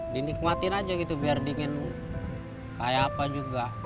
dinikmatin aja gitu biar dingin kayak apa juga